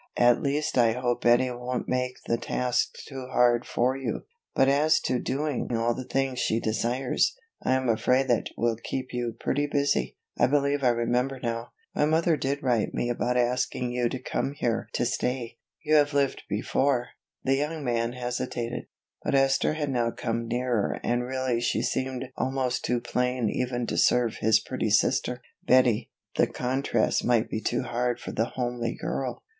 At least I hope Betty won't make the task too hard for you, but as to doing all the things she desires, I am afraid that will keep you pretty busy. I believe I remember now, my mother did write me about asking you to come here to stay; you have lived before " The young man hesitated. But Esther had now come nearer and really she seemed almost too plain even to serve his pretty sister, Betty, the contrast might be too hard for the homely girl.